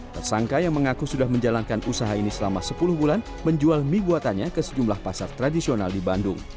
tersangka yang mengaku sudah menjalankan usaha ini selama sepuluh bulan menjual mie buatannya ke sejumlah pasar tradisional di bandung